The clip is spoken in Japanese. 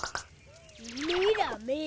メラメラ。